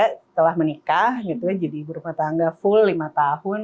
setelah menikah gitu ya jadi ibu rumah tangga full lima tahun